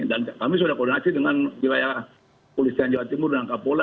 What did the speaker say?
dan kami sudah koordinasi dengan wilayah komunis tiong jawa timur dan angka pola